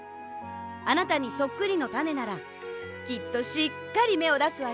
あなたにそっくりのたねならきっとしっかりめをだすわよ。